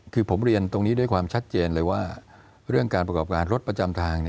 คือผมเรียนตรงนี้ด้วยความชัดเจนเลยว่าเรื่องการประกอบการรถประจำทาง